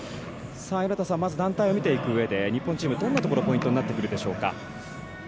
まず団体を見ていくうえで日本チームはどんなところがポイントになってくるでしょうか。